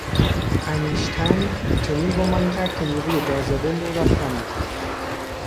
انیشتن چنین گمانه کرد که نیروی جاذبه نور را خم می کند.